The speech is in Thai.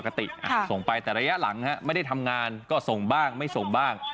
ส่งไปแต่ระยะหลังไม่ได้ทำงานก็ส่งบ้างไม่ส่งบ้าง